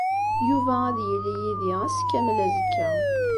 Yuba ad yili yid-i ass kamel azekka.